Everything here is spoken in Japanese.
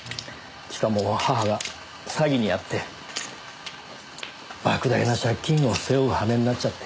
しかも母が詐欺に遭って莫大な借金を背負う羽目になっちゃって。